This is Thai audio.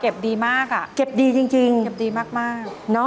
ดีมากอ่ะเก็บดีจริงเก็บดีมาก